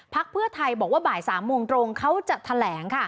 เพื่อไทยบอกว่าบ่าย๓โมงตรงเขาจะแถลง